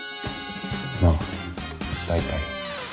まあ大体。